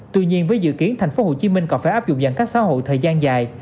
tuy nhiên với dự kiến tp hcm còn phải áp dụng giãn cách xã hội thời gian dài